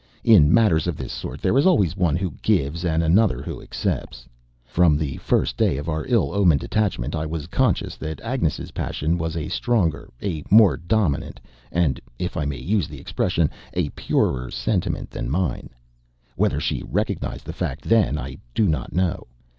In matters of this sort there is always one who gives and another who accepts. From the first day of our ill omened attachment, I was conscious that Agnes's passion was a stronger, a more dominant, and if I may use the expression a purer sentiment than mine. Whether she recognized the fact then, I do not know.